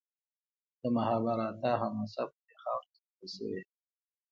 د مهابهاراتا حماسه په دې خاوره کې لیکل شوې.